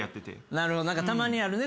なるほどたまにあるね。